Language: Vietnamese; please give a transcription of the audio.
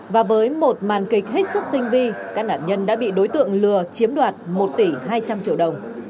và với một màn kịch hết sức tinh vi các nạn nhân đã bị đối tượng lừa chiếm đoạt một tỷ hai trăm linh triệu đồng